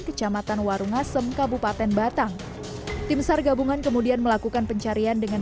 kecamatan warungasem kabupaten batang tim sar gabungan kemudian melakukan pencarian dengan